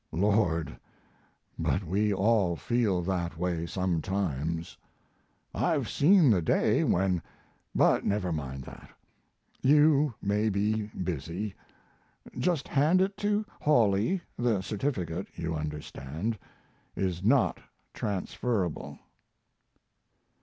Lord, but we all feel that way sometimes. I've seen the day when but never mind that; you may be busy; just hand it to Hawley the certificate, you understand, is not transferable.